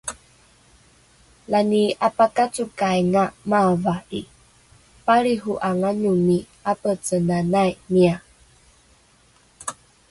Lani apakacokainga maava'i, palriho'anganomi 'apecenanai miya